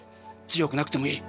強くなくてもいい。